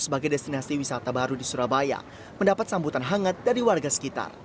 sebagai destinasi wisata baru di surabaya mendapat sambutan hangat dari warga sekitar